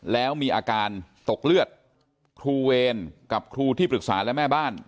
แล้วมีอาการตกเลือดครูเวรกับครูที่ปรึกษาและแม่บ้าน